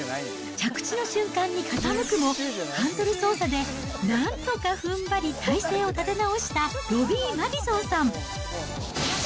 着地の瞬間に傾くも、ハンドル操作でなんとかふんばり、体勢を立て直したロビー・マディソンさん。